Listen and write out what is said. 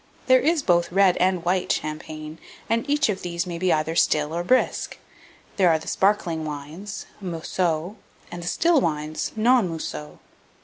There is both red and white champagne, and each of these may be either still or brisk. There are the sparkling wines (mousseux), and the still wines (non mousseux).